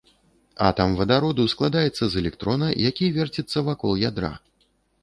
Атам вадароду складаецца з электрона, які верціцца вакол ядра.